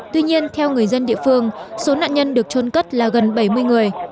tuy nhiên theo người dân địa phương số nạn nhân được trôn cất là gần bảy mươi người